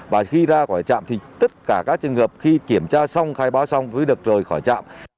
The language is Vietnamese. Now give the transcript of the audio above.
và khi ra khỏi trạm thì tất cả các trường hợp khi kiểm tra xong khai báo xong mới được rời khỏi trạm